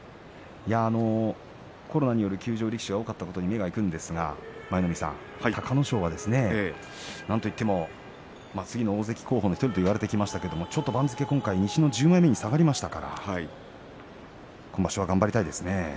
コロナによる休場力士が多かったことに目がいきますが舞の海さん、隆の勝はなんといっても次の大関候補の１人と言われてきましたが番付は今回右１０枚目に下がりましたから今場所、頑張りたいですね。